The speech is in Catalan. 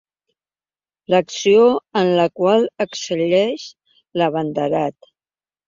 L'acció en la qual excel·leix l'abanderat.